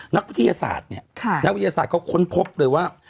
นักวิทยาศาสตร์เขาค้นพบเลยว่า